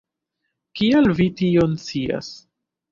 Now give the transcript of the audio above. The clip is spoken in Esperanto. Kial vi tion scias?